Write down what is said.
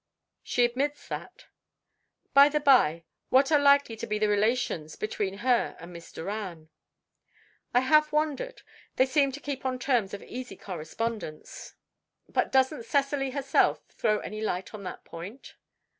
"She admits that." "By the bye, what are likely to be the relations between her and Miss Doran?" "I have wondered. They seem to keep on terms of easy correspondence. But doesn't Cecily herself throw any light on that point?"